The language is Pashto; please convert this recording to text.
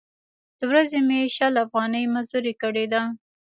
د ورځې مې شل افغانۍ مزدورۍ کړې ده.